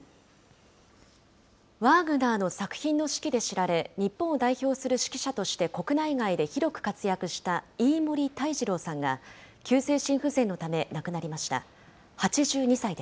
ワーグナーの作品の指揮で知られ、日本を代表する指揮者として国内外で広く活躍した飯守泰次郎さんが、急性心不全のため亡くなりました。